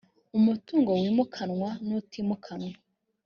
umutungo wimikanwa n utimukanwa